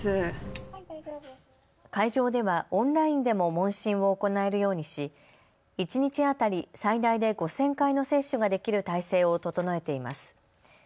会場ではオンラインでも問診を行えるようにし一日当たり最大で５０００回の接種ができる体制を整えています。